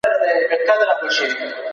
پوهه تر ټولو لوی طاقت دی.